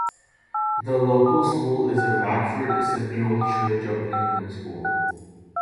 The local school is the Radford Semele Church of England School.